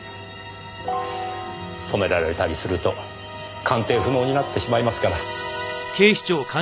染められたりすると鑑定不能になってしまいますから。